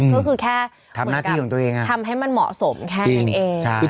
ก็คือแค่ทำให้มันเหมาะสมแค่นั้นเอง